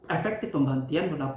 efektif pemberhentian berlaku